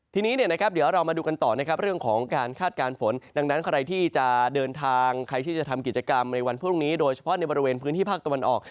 ทีนี้เนี่ยนะครับเดี๋ยวเรามาดูกันต่อนะครับเรื่องของการคาดการณ์ฝนดังนั้นใครที่จะเดินทางใครที่จะทำกิจกรรมในวันพรุ่งนี้โดยเฉพาะในบริเวณพื้นที่ภาคตะวันออก